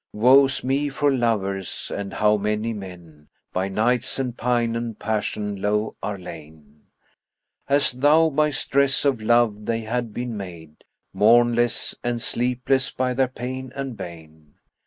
Woe's me for lovers! Ah how many men * By nights and pine and passion low are lain! As though by stress of love they had been made * Morn less and sleep less by their pain and bane.